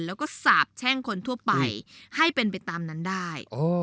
แล้วก็สาบแช่งคนทั่วไปให้เป็นไปตามนั้นได้